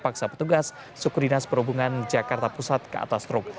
paksa petugas suku dinas perhubungan jakarta pusat ke atas truk